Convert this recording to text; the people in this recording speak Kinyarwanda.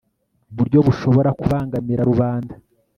buryo bushobora kubangamira rubanda